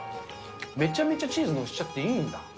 めちゃめちゃチーズ載せちゃっていいんだ。